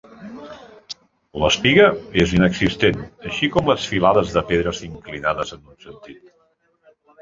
L'espiga és inexistent així com les filades de pedres inclinades en un sentit.